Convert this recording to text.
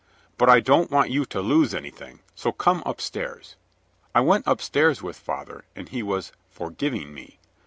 But I don't want you to lose anything, so come upstairs.' "I went upstairs with father, and he was for giving me.